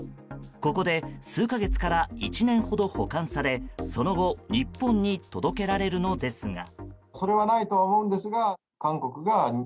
ここで数か月から１年ほど保管されその後、日本に届けられるのですが。